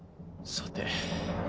さて。